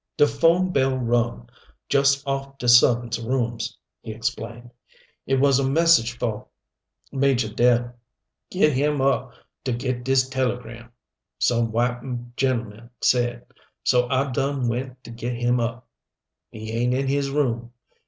"De phone bell rung, jus' off de su'vant's rooms," he explained. "It was a message fo' Majo' Dell. 'Get him up to get dis telegram,' some white gen'lman said, so I done went to get him up. He ain't in his room.